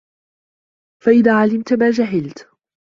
فَإِذَا عَلِمْت مَا جَهِلْت